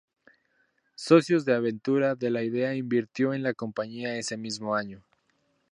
Socios de Aventura de la idea invirtió en la compañía ese mismo año.